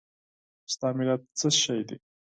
ستا ملت څه شی دی؟